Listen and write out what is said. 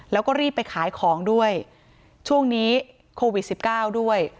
แล้วก็รีบไปขายของด้วยช่วงนี้โควิดสิบเก้าด้วย